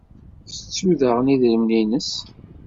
Tettu daɣen idrimen-nnes.